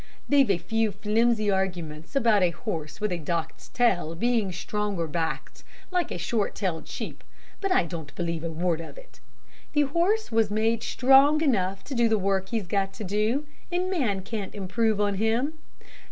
They've a few flimsy arguments about a horse with a docked tail being stronger backed, like a short tailed sheep, but I don't believe a word of it. The horse was made strong enough to do the work he's got to do, and man can't improve on him.